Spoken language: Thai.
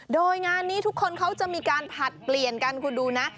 โดยงานนี้ทุกคนเขาจะมีการผลัดเปลี่ยนกันคุณดูนะ